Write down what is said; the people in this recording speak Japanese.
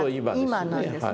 今なんですね。